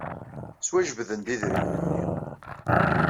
Ttwajebden-d yidrimen-nni.